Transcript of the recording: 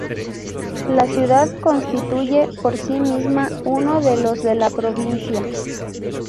La ciudad constituye por sí misma uno de los de la provincia.